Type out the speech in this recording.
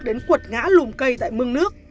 đến cuột ngã lùm cây tại mương nước